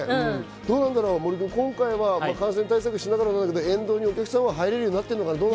今回は感染対策しながらだけど沿道にお客さんは入れるようになってるのかな？